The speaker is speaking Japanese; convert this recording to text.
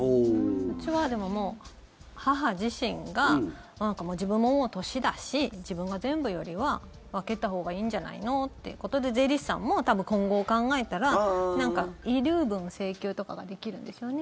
うちは母自身が自分ももう年だし自分が全部よりは分けたほうがいいんじゃないのっていうことで税理士さんも多分、今後を考えたら遺留分請求とかができるんですよね？